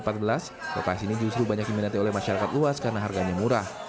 lokasi ini justru banyak diminati oleh masyarakat luas karena harganya murah